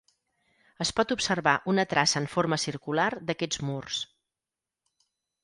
Es pot observar una traça en forma circular d'aquests murs.